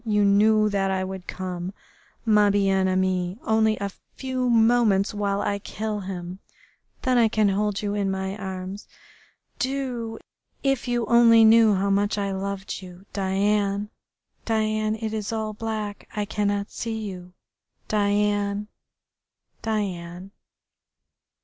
You knew that I would come, ma bien aimee, only a few moments while I kill him, then I can hold you in my arms. Dieu! If you knew how much I loved you.... Diane, Diane, it is all black. I cannot see you, Diane, Diane...."